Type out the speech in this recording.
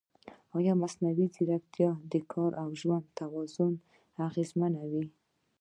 ایا مصنوعي ځیرکتیا د کار او ژوند توازن نه اغېزمنوي؟